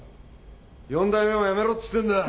四代目もやめろっつってんだよ。